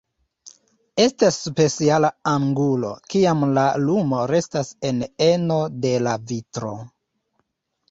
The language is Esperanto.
Estas speciala angulo, kiam la lumo restas en eno de la vitro.